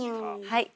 はい。